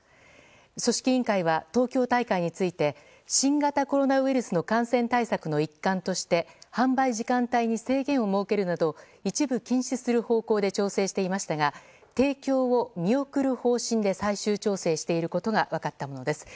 組織委員会は東京大会について新型コロナウイルスの感染対策の一環として販売時間帯に制限を設けるなど一部禁止する方向で調整していましたが提供を見送る方針で最終調整していることが分かったものです。